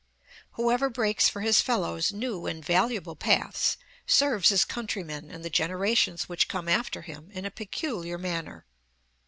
Whoever breaks for his fellows new and valuable XI FOREWORD paths, serves his countrymen and the generations which come after him in a peculiar manner.